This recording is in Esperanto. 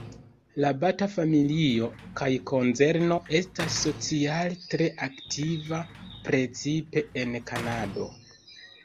La Bata-familio kaj konzerno estas sociale tre aktiva, precipe en Kanado.